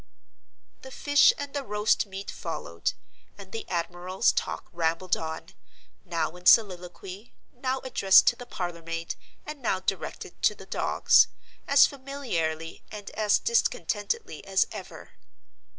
The fish and the roast meat followed; and the admiral's talk rambled on—now in soliloquy, now addressed to the parlor maid, and now directed to the dogs—as familiarly and as discontentedly as ever.